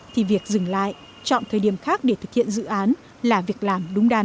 thì việc dừng lại chọn thời điểm khác để thực hiện dự án là việc làm đúng đắn